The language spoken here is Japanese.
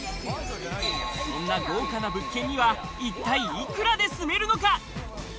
そんな豪華な物件には一体幾らで住めるのか？